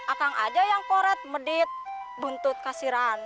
akang aja yang koret medit buntut kasiran